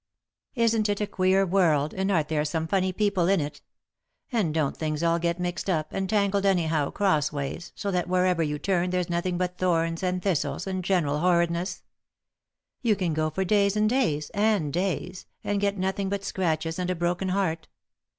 " Isn't it a queer world ? And aren't there some funny people in it ? And don't things all get mixed up, and tangled, anyhow, crossways, so that wherever yon turn there's nothing bat thorns and thistles, and general horridness 1 You can go for days, and days, and days — and get nothing but scratches and a broken heart.